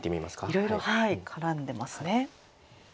いろいろ絡んでますね。